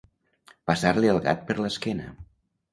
Passar-li el gat per l'esquena.